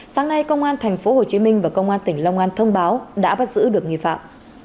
sáng nay công an tp hcm và công an tỉnh long an thông báo đã bắt giữ được nghi phạm